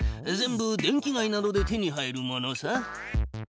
全部電気街などで手に入るものさ。